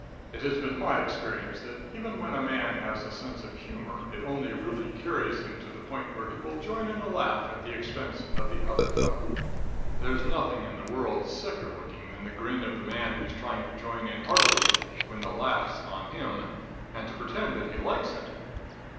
It has been my experience that, even when a man has a sense of humor, it only really carries him to the point where he will join in a laugh at the expense of the other fellow. There's nothing in the world sicker looking than the grin of the man who's trying to join in heartily when the laugh's on him, and to pretend that he likes it.